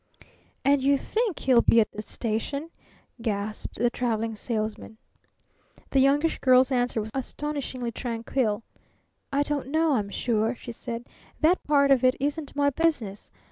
"And you think he'll be at the station?" gasped the Traveling Salesman. The Youngish Girl's answer was astonishingly tranquil. "I don't know, I'm sure," she said. "That part of it isn't my business.